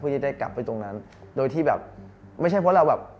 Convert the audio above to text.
จะได้กลับไปตรงนั้นโดยที่แบบไม่ใช่เพราะเราแบบ